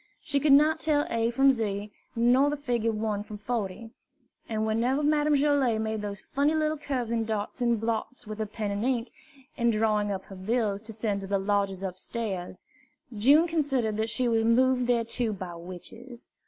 She could not tell A from Z, nor the figure 1 from 40; and whenever Madame Joilet made those funny little curves and dots and blots with pen and ink, in drawing up her bills to send to the lodgers upstairs, June considered that she was moved thereto by witches.